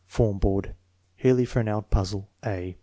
Form board. (Healy Fernald Puzzle A.